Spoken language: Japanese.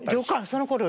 そのころ